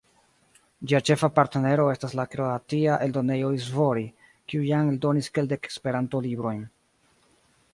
Ĝia ĉefa partnero estas la kroatia eldonejo Izvori, kiu jam eldonis kelkdek Esperanto-librojn.